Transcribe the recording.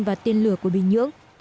và tiên lửa của bình nhưỡng